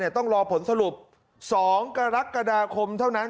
ต้องรอผลสรุป๒กรกฎาคมเท่านั้น